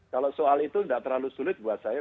kalau soal itu tidak terlalu sulit buat saya